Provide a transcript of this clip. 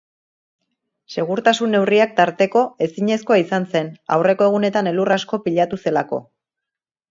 Segurtasun neurriak tarteko ezinezkoa izan zen, aurreko egunetan elur asko pilatu zelako.